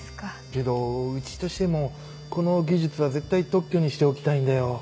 けどうちとしてもこの技術は絶対特許にしておきたいんだよ。